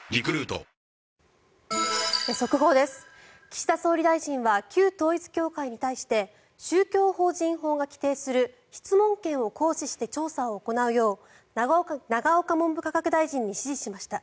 岸田総理大臣は旧統一教会に対して宗教法人法が規定する質問権を行使して調査を行うよう永岡文部科学大臣に指示しました。